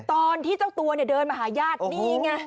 ตอนที่เจ้าตัวเนี่ยเดินมาหาญาตินี่ไง